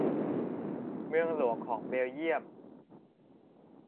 เมืองหลวงของเบลเยี่ยม